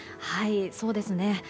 そうですね。